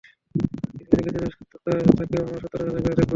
কিছু কিছু ক্ষেত্রে যদি সত্যতা থাকেও আমরা সত্যতা যাচাই করে দেখব।